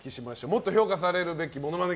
もっと評価されるべきモノマネ